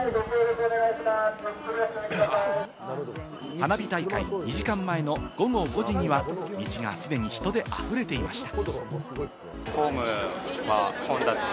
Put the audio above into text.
花火大会２時間前の午後５時には、道がすでに人であふれていました。